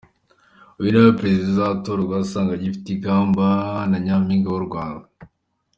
Uyu ni nawe Perezida uzatorwa azasanga agifite ikamba rya Nyampinga w’u Rwanda.